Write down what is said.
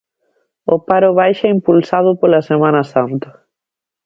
O paro baixa impulsado pola Semana Santa.